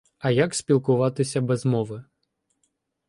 А як спілкуватися без мови?